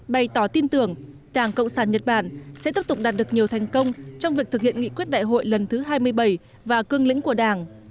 bày tỏ tin tưởng đảng cộng sản nhật bản sẽ tiếp tục đạt được nhiều thành công trong việc thực hiện nghị quyết đại hội lần thứ hai mươi bảy và cương lĩnh của đảng